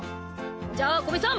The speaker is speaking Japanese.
じゃあ古見さん